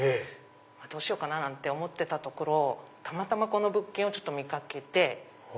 どうしようかなと思ってたところたまたまこの物件を見掛けて。